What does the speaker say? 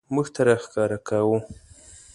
موږ ته راښکاره کاوه.